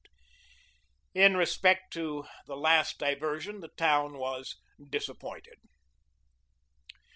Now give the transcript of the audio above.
In respect to the last diversion the town was disappointed.